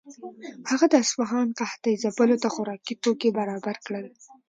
هغه د اصفهان قحطۍ ځپلو ته خوراکي توکي برابر کړل.